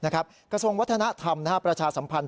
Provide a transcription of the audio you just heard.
กระทรวงวัฒนธรรมประชาสัมพันธ